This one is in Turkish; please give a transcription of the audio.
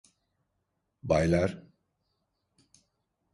Baylar.